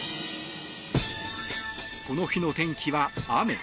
この日の天気は雨。